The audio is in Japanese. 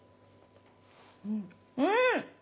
うん！